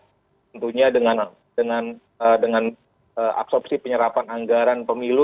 tentunya dengan dengan dengan absorpsi penyerapan anggaran pemilu